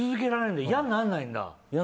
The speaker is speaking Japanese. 嫌にならないんだ。